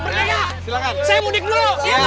saya titip di kota ya